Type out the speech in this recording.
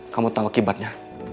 kamu tau kekibatnya